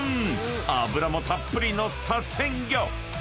［脂もたっぷり乗った鮮魚］